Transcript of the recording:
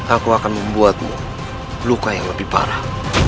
aku akan membuatmu luka yang lebih parah